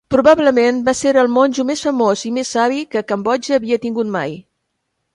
Probablement va ser el monjo més famós i més savi que Cambodja havia tingut mai.